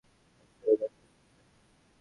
তার সাথে দেখা করতে চাই।